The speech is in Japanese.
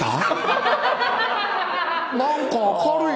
何か明るい。